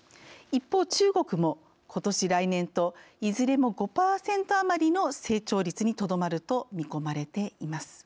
一方、中国も、ことし来年といずれも５％余りの成長率にとどまると、見込まれています。